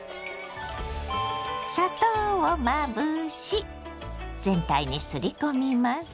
砂糖をまぶし全体にすり込みます。